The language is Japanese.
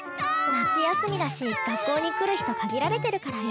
夏休みだし学校に来る人限られてるからね。